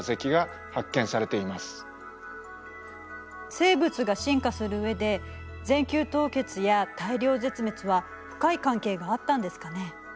生物が進化する上で全球凍結や大量絶滅は深い関係があったんですかね。